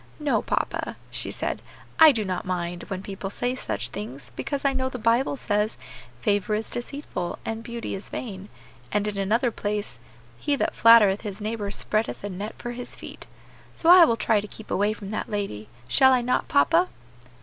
"No, papa," she said, "I do not mind, when people say such things, because I know the Bible says, 'Favor is deceitful, and beauty is vain;' and in another place, 'He that flattereth his neighbor spreadeth a net for his feet.' So I will try to keep away from that lady; shall I not, papa?"